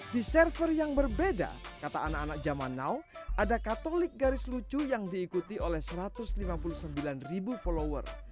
di server yang berbeda kata anak anak zaman now ada katolik garis lucu yang diikuti oleh satu ratus lima puluh sembilan ribu follower